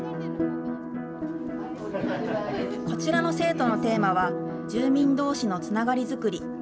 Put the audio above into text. こちらの生徒のテーマは住民どうしのつながり作り。